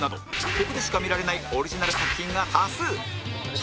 ここでしか見られないオリジナル作品が多数